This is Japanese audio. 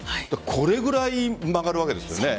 これくらい曲がるわけですよね。